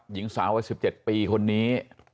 หญิงสาววัย๑๗ปีคนนี้